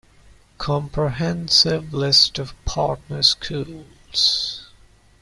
Comprehensive list of partner schools.